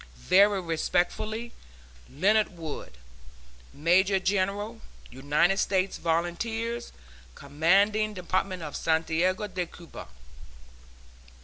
Very respectfully, LEONARD WOOD, Major General, United States Volunteers. Commanding Department of Santiago de Cuba.